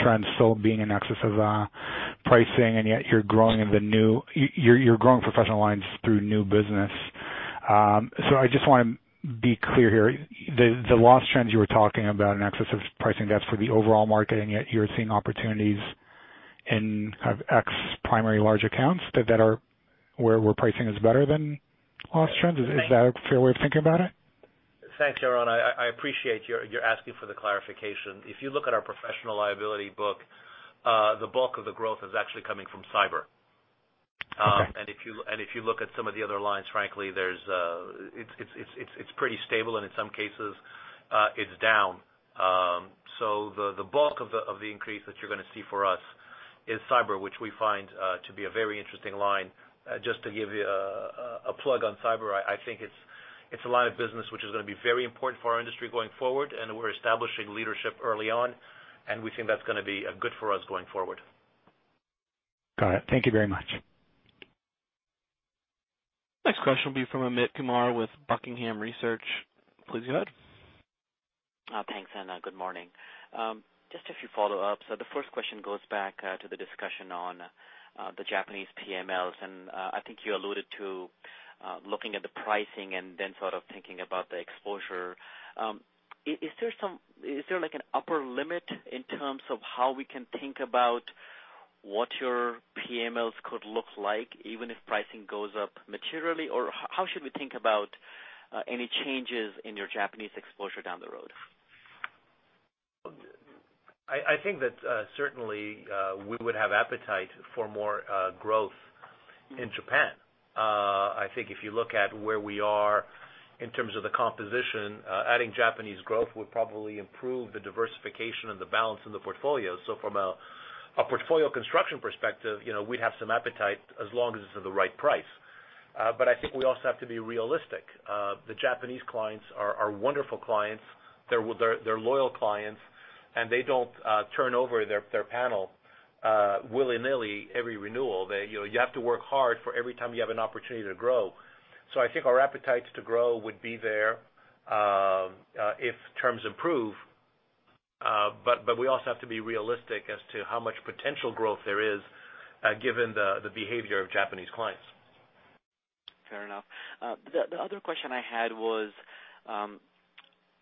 trends still being in excess of pricing, and yet you're growing professional lines through new business. I just want to be clear here. The loss trends you were talking about in excess of pricing, that's for the overall market, and yet you're seeing opportunities in kind of ex primary large accounts where pricing is better than loss trends. Is that a fair way of thinking about it? Thanks, Yaron. I appreciate you're asking for the clarification. If you look at our professional liability book, the bulk of the growth is actually coming from cyber. Okay. If you look at some of the other lines, frankly, it's pretty stable and in some cases, it's down. The bulk of the increase that you're going to see from us is cyber, which we find to be a very interesting line. Just to give you a plug on cyber, I think it's a line of business which is going to be very important for our industry going forward, and we're establishing leadership early on, and we think that's going to be good for us going forward. Got it. Thank you very much. Next question will be from Amit Kumar with Buckingham Research. Please go ahead. Thanks. Good morning. Just a few follow-ups. The first question goes back to the discussion on the Japanese PMLs, and I think you alluded to looking at the pricing and then sort of thinking about the exposure. Is there like an upper limit in terms of how we can think about what your PMLs could look like even if pricing goes up materially? Or how should we think about any changes in your Japanese exposure down the road? I think that certainly we would have appetite for more growth in Japan. I think if you look at where we are in terms of the composition, adding Japanese growth would probably improve the diversification and the balance in the portfolio. From a portfolio construction perspective, we'd have some appetite as long as it's at the right price. I think we also have to be realistic. The Japanese clients are wonderful clients. They're loyal clients, and they don't turn over their panel willy-nilly every renewal. You have to work hard for every time you have an opportunity to grow. I think our appetite to grow would be there if terms improve. We also have to be realistic as to how much potential growth there is given the behavior of Japanese clients. Fair enough. The other question I had was,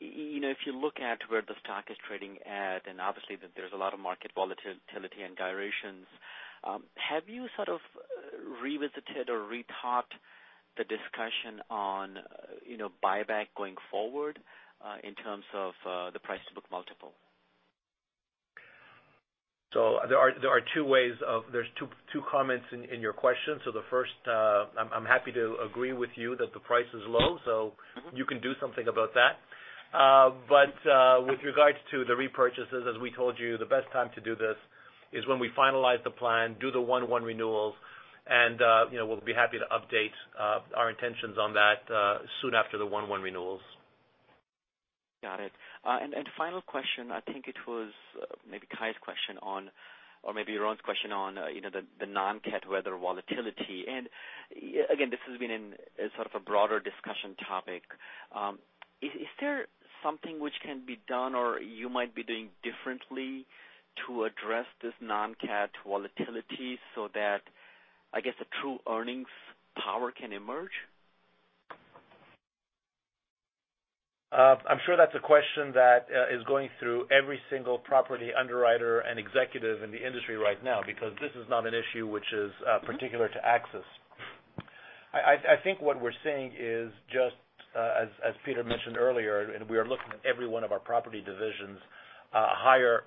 if you look at where the stock is trading at, and obviously there's a lot of market volatility and gyrations, have you sort of revisited or rethought the discussion on buyback going forward in terms of the price-to-book multiple? There are two comments in your question. The first, I'm happy to agree with you that the price is low, so you can do something about that. With regards to the repurchases, as we told you, the best time to do this is when we finalize the plan, do the one-one renewals, and we'll be happy to update our intentions on that soon after the one-one renewals. Got it. Final question, I think it was maybe Kai's question on, or maybe Yaron's question on the non-cat weather volatility. Again, this has been in sort of a broader discussion topic. Is there something which can be done or you might be doing differently to address this non-cat volatility so that, I guess, the true earnings power can emerge? I'm sure that's a question that is going through every single property underwriter and executive in the industry right now because this is not an issue which is particular to AXIS. I think what we're seeing is just as Peter mentioned earlier, we are looking at every one of our property divisions, higher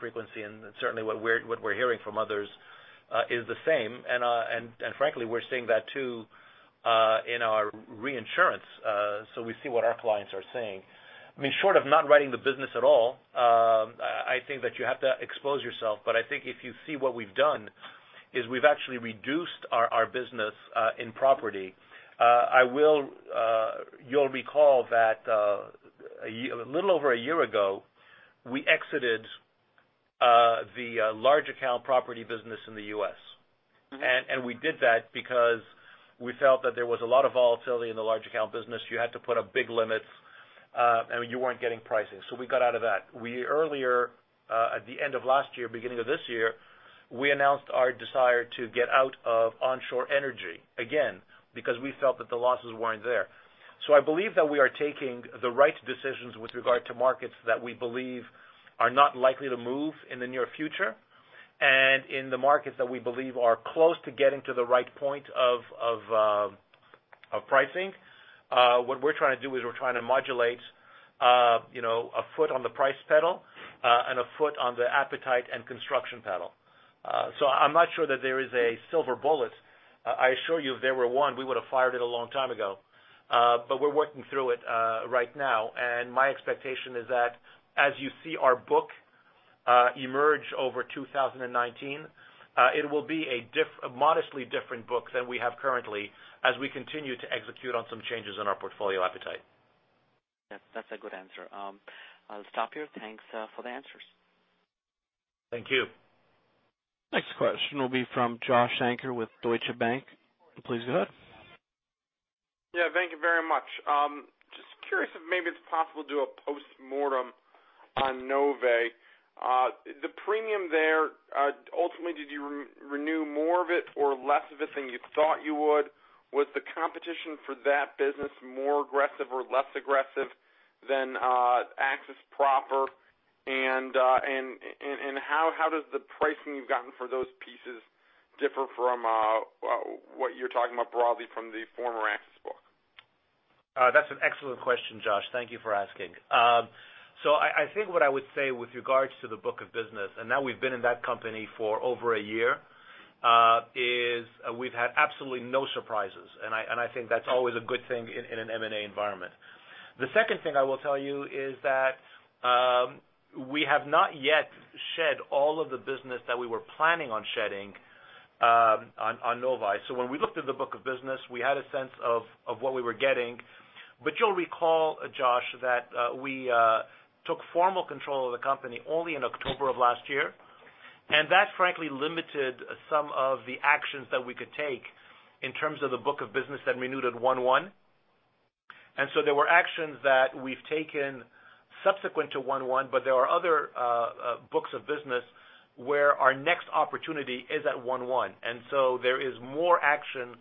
frequency, certainly what we're hearing from others is the same. Frankly, we're seeing that, too, in our reinsurance. We see what our clients are seeing. I mean, short of not writing the business at all, I think that you have to expose yourself. I think if you see what we've done is we've actually reduced our business in property. You'll recall that a little over a year ago, we exited the large account property business in the U.S. We did that because we felt that there was a lot of volatility in the large account business. You had to put up big limits, you weren't getting pricing. We got out of that. We earlier, at the end of last year, beginning of this year, we announced our desire to get out of onshore energy, again, because we felt that the losses weren't there. I believe that we are taking the right decisions with regard to markets that we believe are not likely to move in the near future. In the markets that we believe are close to getting to the right point of pricing, what we're trying to do is we're trying to modulate a foot on the price pedal and a foot on the appetite and construction pedal. I'm not sure that there is a silver bullet. I assure you, if there were one, we would have fired it a long time ago. We're working through it right now. My expectation is that as you see our book emerge over 2019, it will be a modestly different book than we have currently as we continue to execute on some changes in our portfolio appetite. Yes, that's a good answer. I'll stop here. Thanks for the answers. Thank you. Next question will be from Josh Shanker with Deutsche Bank. Please go ahead. Yeah, thank you very much. Just curious if maybe it's possible to do a postmortem on Novae. The premium there, ultimately, did you renew more of it or less of it than you thought you would? Was the competition for that business more aggressive or less aggressive than AXIS proper? How does the pricing you've gotten for those pieces differ from what you're talking about broadly from the former AXIS book? That's an excellent question, Josh. Thank you for asking. I think what I would say with regards to the book of business, and now we've been in that company for over a year, is we've had absolutely no surprises. I think that's always a good thing in an M&A environment. The second thing I will tell you is that we have not yet shed all of the business that we were planning on shedding on Novae. When we looked at the book of business, we had a sense of what we were getting. You'll recall, Josh, that we took formal control of the company only in October of last year, and that frankly limited some of the actions that we could take in terms of the book of business that renewed at one-one. There were actions that we've taken subsequent to one-one, there are other books of business where our next opportunity is at one-one, there is more action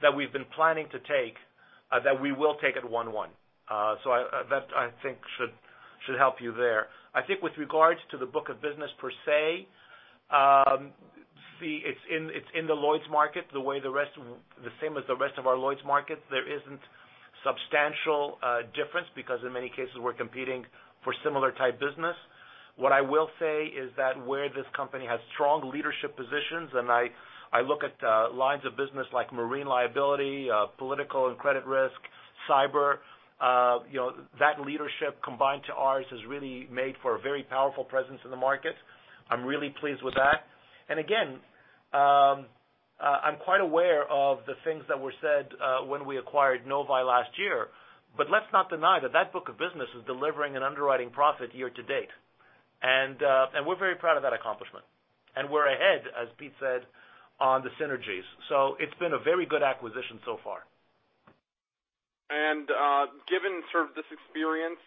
that we've been planning to take that we will take at one-one. That I think should help you there. I think with regards to the book of business per se, it's in the Lloyd's market the same as the rest of our Lloyd's market. There isn't substantial difference because in many cases we're competing for similar type business. What I will say is that where this company has strong leadership positions, I look at lines of business like marine liability, political and credit risk, cyber, that leadership combined to ours has really made for a very powerful presence in the market. I'm really pleased with that. Again, I'm quite aware of the things that were said when we acquired Novae last year, let's not deny that that book of business is delivering an underwriting profit year to date. We're very proud of that accomplishment. We're ahead, as Pete said, on the synergies. It's been a very good acquisition so far. Given this experience,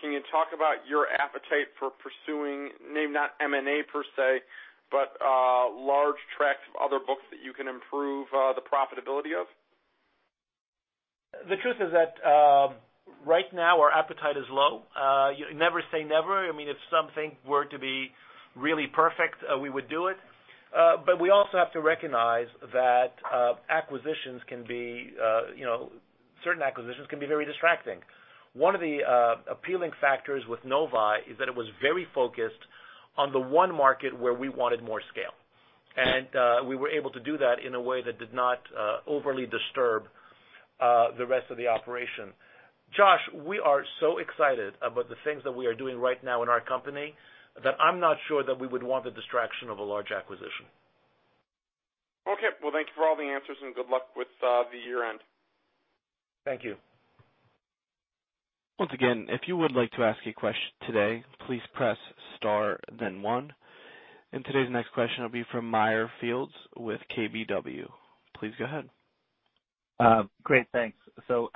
can you talk about your appetite for pursuing, maybe not M&A per se, but large tracts of other books that you can improve the profitability of? The truth is that right now our appetite is low. Never say never. If something were to be really perfect, we would do it. We also have to recognize that certain acquisitions can be very distracting. One of the appealing factors with Novae is that it was very focused on the one market where we wanted more scale. We were able to do that in a way that did not overly disturb the rest of the operation. Josh, we are so excited about the things that we are doing right now in our company that I'm not sure that we would want the distraction of a large acquisition. Okay. Well, thank you for all the answers and good luck with the year-end. Thank you. Once again, if you would like to ask a question today, please press star then one. Today's next question will be from Meyer Shields with KBW. Please go ahead. Great, thanks.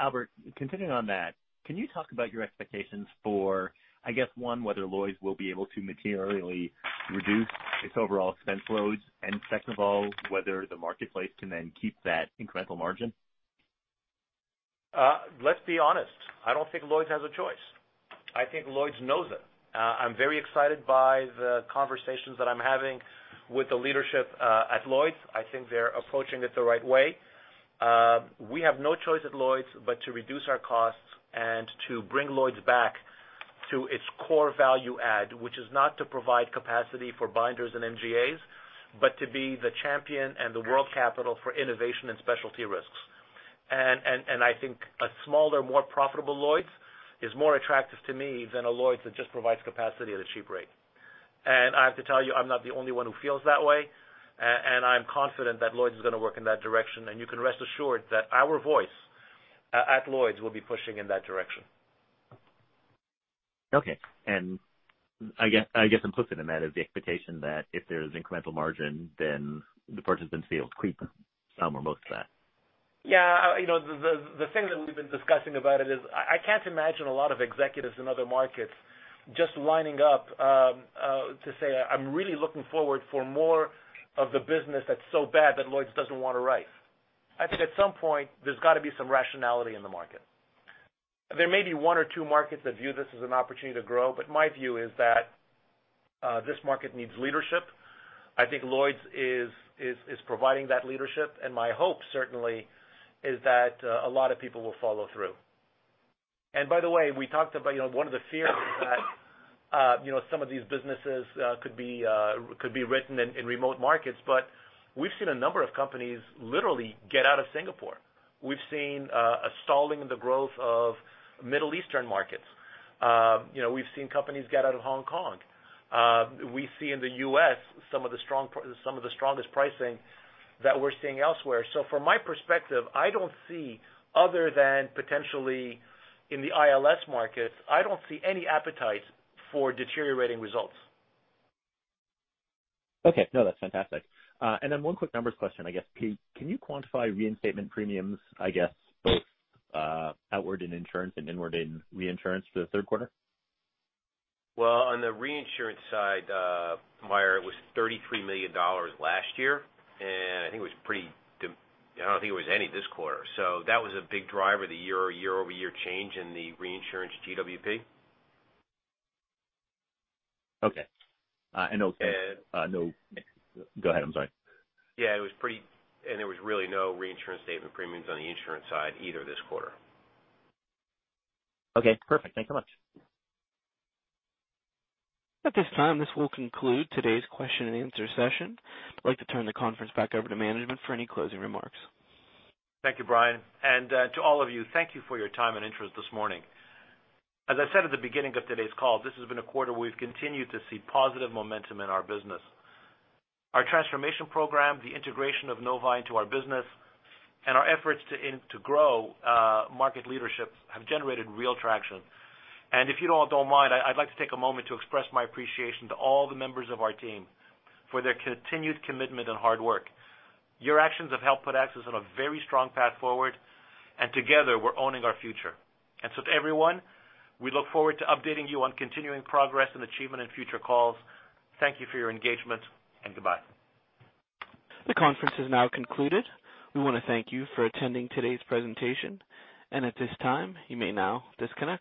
Albert, continuing on that, can you talk about your expectations for, I guess one, whether Lloyd's will be able to materially reduce its overall expense loads? Second of all, whether the marketplace can then keep that incremental margin? Let's be honest, I don't think Lloyd's has a choice. I think Lloyd's knows it. I'm very excited by the conversations that I'm having with the leadership at Lloyd's. I think they're approaching it the right way. We have no choice at Lloyd's but to reduce our costs and to bring Lloyd's back to its core value add, which is not to provide capacity for binders and MGAs, but to be the champion and the world capital for innovation and specialty risks. I think a smaller, more profitable Lloyd's is more attractive to me than a Lloyd's that just provides capacity at a cheap rate. I have to tell you, I'm not the only one who feels that way. I'm confident that Lloyd's is going to work in that direction. You can rest assured that our voice at Lloyd's will be pushing in that direction. Okay. I guess implicit in that is the expectation that if there's incremental margin, the participants will keep some or most of that. Yeah. The thing that we've been discussing about it is I can't imagine a lot of executives in other markets just lining up to say, "I'm really looking forward for more of the business that's so bad that Lloyd's doesn't want to write." I think at some point there's got to be some rationality in the market. There may be one or two markets that view this as an opportunity to grow, but my view is that this market needs leadership. I think Lloyd's is providing that leadership, and my hope certainly is that a lot of people will follow through. By the way, we talked about one of the fears that some of these businesses could be written in remote markets, but we've seen a number of companies literally get out of Singapore. We've seen a stalling in the growth of Middle Eastern markets. We've seen companies get out of Hong Kong. We see in the U.S. some of the strongest pricing that we're seeing elsewhere. From my perspective, I don't see, other than potentially in the ILS markets, I don't see any appetite for deteriorating results. Okay. No, that's fantastic. Then one quick numbers question, I guess. Pete, can you quantify reinstatement premiums, I guess both outward in insurance and inward in reinsurance for the third quarter? Well, on the reinsurance side, Meyer, it was $33 million last year. I don't think it was any this quarter. That was a big driver of the year-over-year change in the reinsurance GWP. Okay. Okay. And- No. Go ahead, I'm sorry. Yeah, there was really no reinsurance statement premiums on the insurance side either this quarter. Okay, perfect. Thank so much. At this time, this will conclude today's question and answer session. I'd like to turn the conference back over to management for any closing remarks. Thank you, Brian. To all of you, thank you for your time and interest this morning. As I said at the beginning of today's call, this has been a quarter we've continued to see positive momentum in our business. Our transformation program, the integration of Novae into our business, and our efforts to grow market leadership have generated real traction. If you all don't mind, I'd like to take a moment to express my appreciation to all the members of our team for their continued commitment and hard work. Your actions have helped put AXIS on a very strong path forward, and together we're owning our future. To everyone, we look forward to updating you on continuing progress and achievement in future calls. Thank you for your engagement, and goodbye. The conference is now concluded. We want to thank you for attending today's presentation. At this time, you may now disconnect.